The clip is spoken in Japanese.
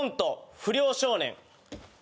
「不良少年」